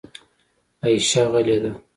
عایشه غلې ده .